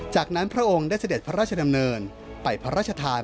จากนั้นพระองค์ได้เสด็จพระราชดำเนินไปพระราชทาน